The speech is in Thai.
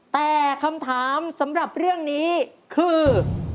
แต่คำถามสำหรับเรื่องนี้คือ